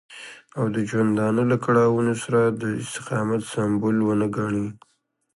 او د ژوندانه له کړاوونو سره د استقامت سمبول ونه ګڼي.